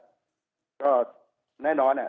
แล้วยังเป็นพิธีแรงนะครับ